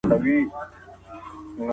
نه احتیاج یمه د علم نه محتاج د هنر یمه